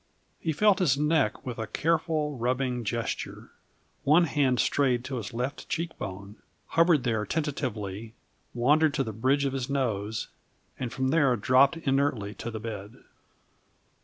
He felt his neck with a careful, rubbing gesture. One hand strayed to his left cheekbone, hovered there tentatively, wandered to the bridge of his nose, and from there dropped inertly to the bed.